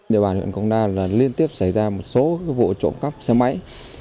địa bàn huyện krong anna liên tiếp xảy ra một số vụ trộn cắp xe máy